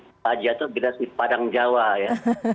generasi paja itu generasi padang jawa ya